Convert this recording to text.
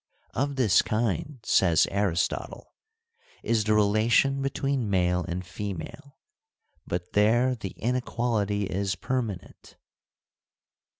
' Of this kind,' says Aristotle, • is the relation between male and female ; but there the inequality is permanent.'